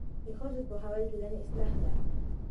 د ښځو پوهاوی د ټولنې اصلاح ده.